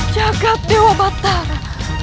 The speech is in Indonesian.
jaga dewa batara